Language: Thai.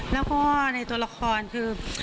แล้วก็ในตัวละครคือ